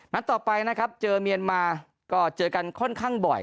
นัดต่อไปนะครับเจอเมียนมาก็เจอกันค่อนข้างบ่อย